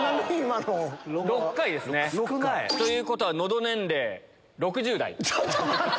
６回ですね。ということは喉年齢６０代。